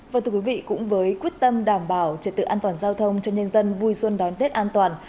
và thưa quý vị cũng với quyết tâm đảm bảo trật tự an toàn giao thông cho nhân dân vui xuân đón tết an toàn